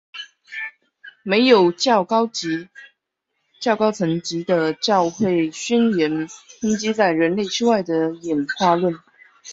没有较高层级的教会宣言抨击在人类之外的演化论。